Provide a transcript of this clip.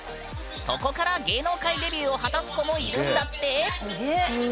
そこから芸能界デビューを果たす子もいるんだって！